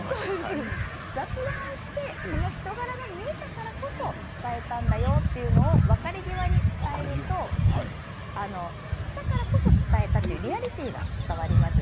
雑談をして、その人柄が見えたからこそ伝えたんだよというのを別れ際に伝えると知ったからこそ伝えたというリアリティーが伝わります。